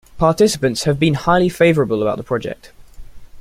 Participants have been highly favorable about the project.